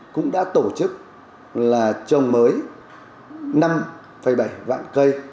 cũng đã tổ chức là trồng mới năm bảy vạn cây